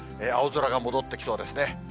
青空が戻ってきそうですね。